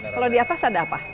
kalau di atas ada apa